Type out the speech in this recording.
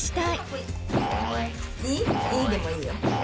「イー」でもいいよ。